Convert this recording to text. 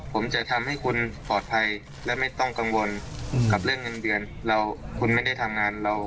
ผมจะทำให้คุณปลอดภัยและไม่ต้องกังวลกับเรื่องเงินเดือน